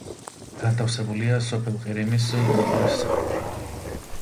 განთავსებულია სოფელ ყირიმის კულტურის სახლში.